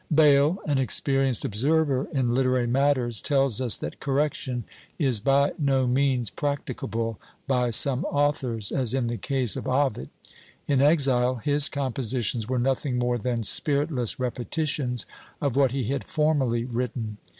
Bayle, an experienced observer in literary matters, tells us that correction is by no means practicable by some authors, as in the case of Ovid. In exile, his compositions were nothing more than spiritless repetitions of what he had formerly written.